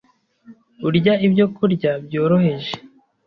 urya ibyokurya byoroheje,